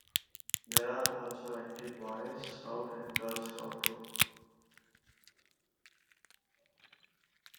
There are also active Boy Scout and Girl Scout troops.